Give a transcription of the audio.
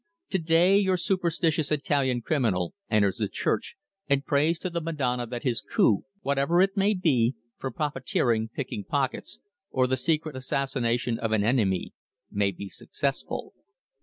To day your superstitious Italian criminal enters the church and prays to the Madonna that his coup whatever it may be, from profiteering, picking pockets, or the secret assassination of an enemy may be successful.